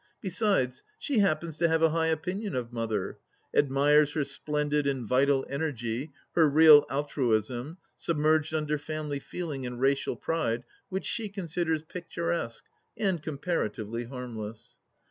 Besides, she happens to have a high opinion of Mother ; admires her splendid and vital energy, her real altruism, submerged under family feeling and racial pride which she considers picturesque and comparatively harmless.